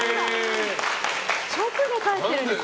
直で帰ってるんですか。